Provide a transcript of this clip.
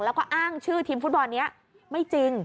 แล้วก็อ้างชื่อทีมฟุตบอลนี้ไม่จริง